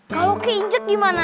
kalau diinjek gimana